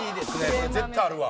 これ絶対あるわ。